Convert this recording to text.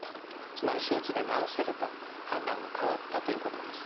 つまり手術で治せると判断が変わったということです。